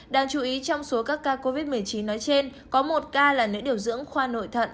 đáng chú ý trong số các ca covid một mươi chín nói trên có một ca là nữ điều dưỡng khoa nội thận